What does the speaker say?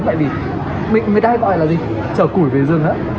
tại vì người ta hay gọi là gì trở củi về rừng á